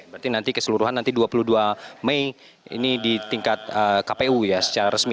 berarti nanti keseluruhan nanti dua puluh dua mei ini di tingkat kpu ya secara resmi